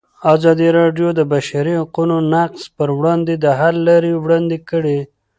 ازادي راډیو د د بشري حقونو نقض پر وړاندې د حل لارې وړاندې کړي.